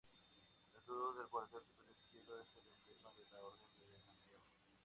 La cruz del cuartel superior izquierdo es el emblema de la Orden de Santiago.